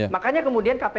makanya kemudian kpk hadir